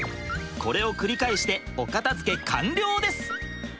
これを繰り返してお片づけ完了です！